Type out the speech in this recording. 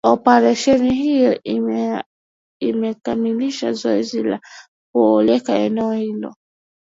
operesheni hiyo imekamilisha zoezi la kuliokoa eneo hilo